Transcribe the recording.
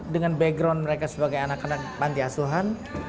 dengan background mereka sebagai anak anak pantiasuhan